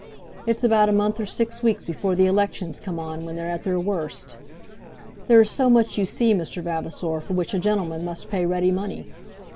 It's about a month or six weeks before the elections come on when they're at their worst. There is so much you see, Mr. Vavasor, for which a gentleman must pay ready money.